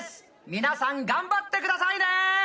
皆さん頑張ってくださいね。